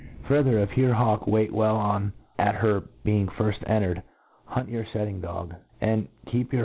Further, if your hawk wait weH oi^ at her be*^ iflg fifft entered, hunt your fetting dog, and keep yoiai?